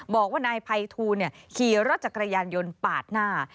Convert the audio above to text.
บอกว่านายภัยทูลขี่รถจักรยานยนต์ปาดหน้า